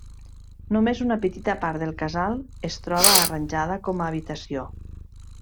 Només una petita part del casal es troba arranjada com a habitació.